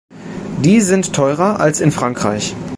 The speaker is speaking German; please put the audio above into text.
Die sind teurer als in Frankreich.